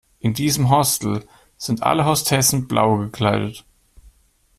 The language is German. In diesem Hostel sind alle Hostessen blau gekleidet.